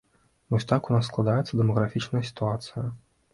Вось так у нас складаецца дэмаграфічная сітуацыя.